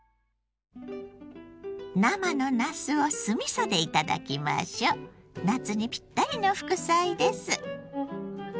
生のなすを酢みそで頂きましょう！夏にピッタリの副菜です。